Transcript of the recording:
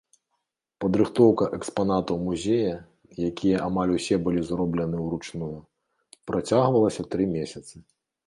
Падрыхтоўка экспанатаў музея, якія амаль усе былі зроблены ўручную, працягвалася тры месяцы.